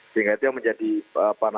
sehingga itu yang menjadi apa namanya